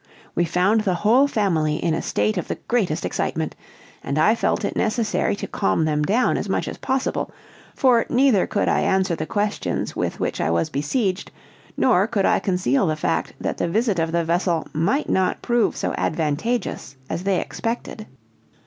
We found the whole family in a state of the greatest excitement, and I felt it necessary to calm them down as much as possible, for neither could I answer the questions with which I was besieged, nor could I conceal the fact that the visit of the vessel might not prove so advantageous as they expected.